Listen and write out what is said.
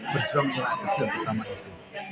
berjuang untuk atas jalan pertama itu